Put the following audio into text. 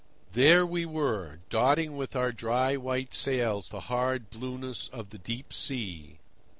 There we were, dotting with our white dry sails the hard blueness of the deep sea.